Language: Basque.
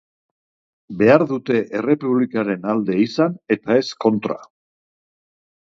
Behar dute Errepublikaren alde izan eta ez kontra.